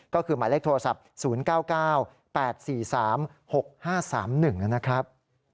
ก็คือหมายเลขโทรศัพท์๐๙๙๘๔๓๖๕๓๑นะครับ